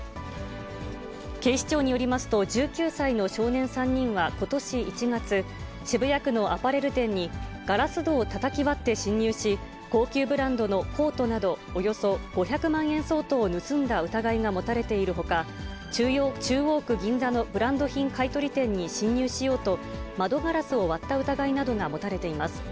警視庁によりますと、１９歳の少年３人はことし１月、渋谷区のアパレル店に、ガラス戸をたたき割って侵入し、高級ブランドのコートなど、およそ５００万円相当を盗んだ疑いが持たれているほか、中央区銀座のブランド品買い取り店に侵入しようと、窓ガラスを割った疑いなどが持たれています。